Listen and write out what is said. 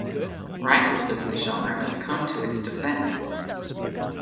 Writers of the genre have come to its defense.